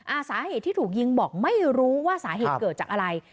สาเหตุที่ถูกยิงบอกไม่รู้ว่าสาเหตุเกิดจากอะไร